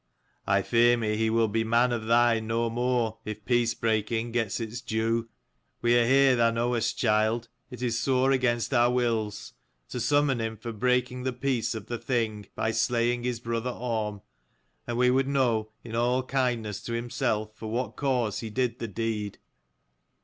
" I fear me he will be man of thine no more, if peace breaking gets its due. We are here, thou knowest, child, it is sore against our wills, to summon him for breaking the peace of the Thing by slaying his brother Orm ; and we would know, in all kindness to himself, for what cause he did the deed."